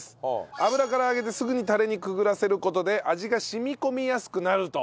油から上げてすぐにタレにくぐらせる事で味が染み込みやすくなると。